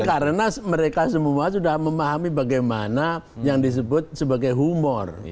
karena mereka semua sudah memahami bagaimana yang disebut sebagai humor